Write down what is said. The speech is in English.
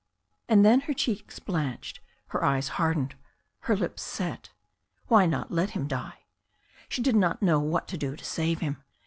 And then her cheeks blanched, her eyes hardened, her lips set. Why not let him die? She did not know what to do to save him.